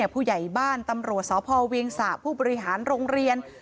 ผู้ใหญ่บ้านตำรวจสพเวียงสะผู้บริหารโรงเรียน